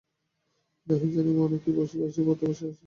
নাহি জানি মনে কী বাসিয়া পথে বসে আছে কে আসিয়া।